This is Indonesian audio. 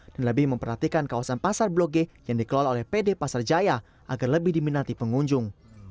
dan lebih memperhatikan kawasan pasar blok g yang dikelola oleh pd pasar jaya agar lebih diminati penghujung